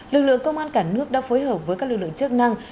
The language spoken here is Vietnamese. lực lượng công an cả nước đã phối hợp với các lực lượng chức năng